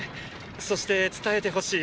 そして伝えてほしい。